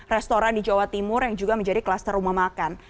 restoran di jawa timur yang juga menjadi kluster rumah makan